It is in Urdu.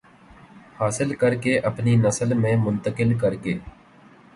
حاصل کر کے اپنی نسل میں منتقل کر کے